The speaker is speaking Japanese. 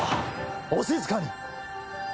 お静かに。